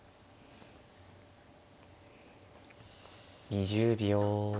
２０秒。